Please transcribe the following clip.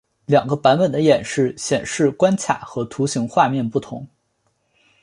两个版本的演示显示关卡和图形画面不同。